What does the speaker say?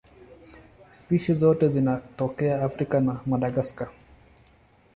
Spishi zote zinatokea Afrika na Madagaska.